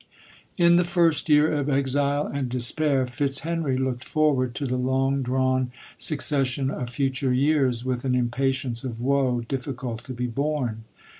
In the first year of exile and despair, Fitz hcnry looked forward to the long drawn succes sion of future years, with an impatience of woe difficult to be borne.